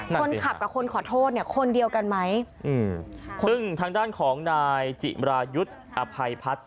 คนขับกับคนขอโทษเนี่ยคนเดียวกันไหมอืมซึ่งทางด้านของนายจิรายุทธ์อภัยพัฒน์